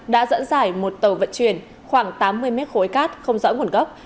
đã dẫn dải một tàu vận chuyển khoảng tám mươi mét khối cát không rõ nguồn gốc